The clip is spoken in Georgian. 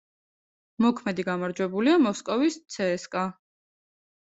მოქმედი გამარჯვებულია მოსკოვის „ცსკა“.